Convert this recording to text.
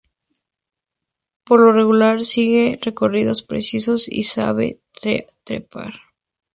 Por lo regular sigue recorridos precisos y sabe trepar.